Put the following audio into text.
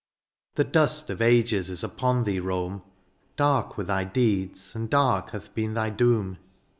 The dust of ages is upon thee^ Rome ; Dark were thy deeds^ and dark hath been thy doom.